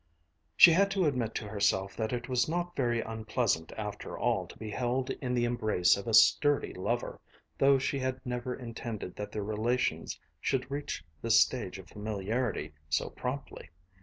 She had to admit to herself that it was not very unpleasant after all to be held in the embrace of a sturdy lover, though she had never intended that their relations should reach this stage of familiarity so promptly.